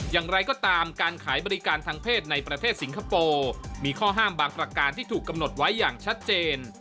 อย่างไรก็ตามการขายบริการทางเพศในประเทศสิงคโปร์มีข้อห้ามบางประการที่ถูกกำหนดไว้อย่างชัดเจน